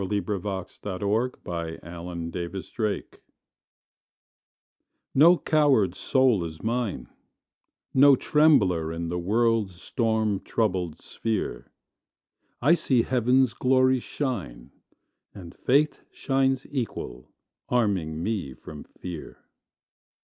Emily Brontë No Coward Soul is Mine NO coward soul is mine, No trembler in the world's storm troubled sphere; I see Heaven's glories shine, And Faith shines equal, arming me from fear.